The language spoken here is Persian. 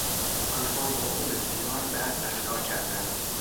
آنها با او بسیار بد رفتار کردند.